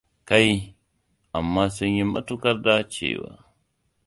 Kai, amma sun yi matuƙar dacewa.